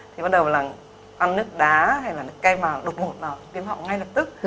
thì bắt đầu là ăn nước đá hay là nước cây mà đột ngột là viêm họng ngay lập tức